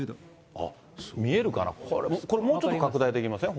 見えるかな、これもうちょっと拡大できません？